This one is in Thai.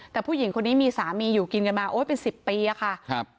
แต่ผู้หญิงคนนี้มีสามีอยู่กินกันมาโอ๊ยเป็น๑๐ปีอะค่ะครับ